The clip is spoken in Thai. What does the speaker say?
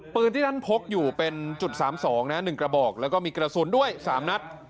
ปืนที่ท่านพกอยู่เป็นจุด๓๒นะ๑กระบอกแล้วก็มีกระสุนด้วย๓นัด